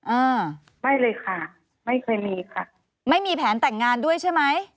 อ่าไม่เลยค่ะไม่เคยมีค่ะไม่มีแผนแต่งงานด้วยใช่ไหม